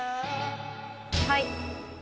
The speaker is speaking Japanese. はい。